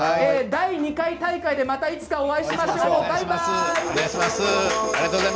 第２回大会でまたいつかお会いしましょう。